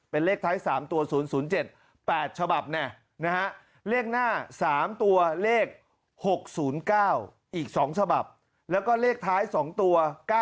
เป็นเลขท้าย๓ตัว๐๐๗๘ฉบับนะฮะเลขหน้า๓ตัวเลข๖๐๙อีก๒ฉบับแล้วก็เลขท้าย๒ตัว๙๙